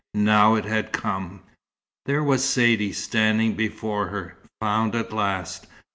Now it had come. There was Saidee standing before her, found at last.